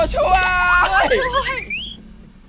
๙หรอ